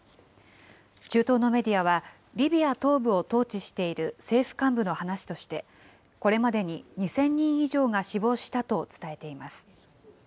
中東のメディアは、リビア東部を統治している政府幹部の話として、これまでに２０００人以上が死亡したと伝えています。